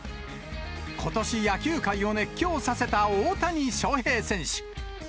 ことし野球界を熱狂させた大谷翔平選手。